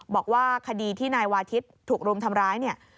บอกว่าคดีที่นายวาทิศถูกรุมทำร้ายเนี่ย